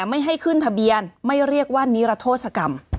ไม่ให้ขึ้นทะเบียนไม่เรียกว่านิรโทษกรรม